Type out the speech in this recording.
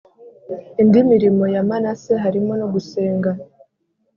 indi mirimo ya Manase harimo no gusenga